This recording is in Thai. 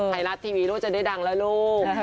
ไทยรัฐทีวีลูกจะได้ดังแล้วลูก